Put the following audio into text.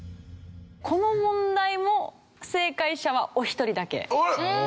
この問題も正解者はお一人だけ。